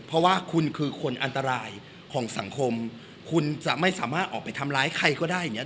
เพราะว่าคุณคือคนอันตรายของสังคมคุณจะไม่สามารถออกไปทำร้ายใครก็ได้อย่างนี้